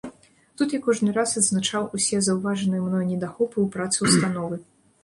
Тут я кожны раз адзначаў усе заўважаныя мною недахопы ў працы ўстановы.